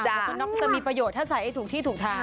คนน็อกก็จะมีประโยชน์ถ้าใส่ให้ถูกที่ถูกทาง